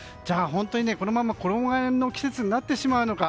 本当にこのまま衣替えの季節になってしまうのか。